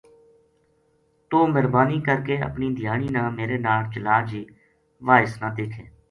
توہ مہربانی کر کے اپنی دھیانی نا میرے ناڑ چلا جی واہ اس نا دیکھے ‘‘